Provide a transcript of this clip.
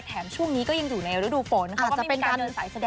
แต่แถมช่วงนี้ก็ยังอยู่ในฤดูฝนเขาก็ไม่มีการเดินสายแสดง